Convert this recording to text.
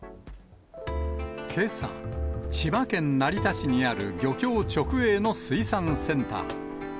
けさ、千葉県成田市にある漁協直営の水産センター。